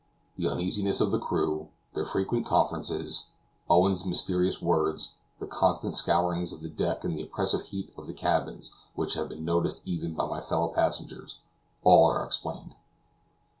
The uneasiness of the crew, their frequent conferences, Owen's mysterious words, the constant scourings of the deck and the oppressive heat of the cabins which had been noticed even by my fellow passengers, all are explained.